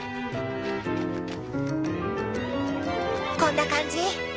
こんな感じ？